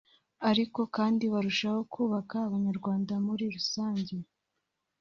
ariko kandi barushaho kubaka abanyarwanda muri rusange